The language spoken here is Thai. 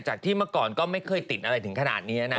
จากที่เมื่อก่อนก็ไม่เคยติดหรืออะไรถึงขนาดนี้